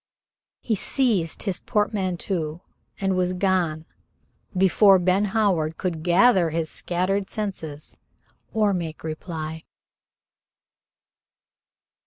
He seized his portmanteau and was gone before Ben Howard could gather his scattered senses or make reply.